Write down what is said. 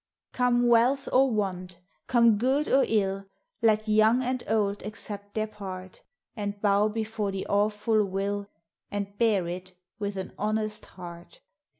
250 Come wealth or waul, come good or ill, Let young and old accept their part, And bow before the awful will, And bear it with an honest heart.